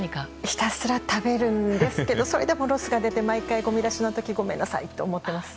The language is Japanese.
ひたすら食べるんですけどそれでもロスが出てごみ出しの時にごめんなさいと思ってます。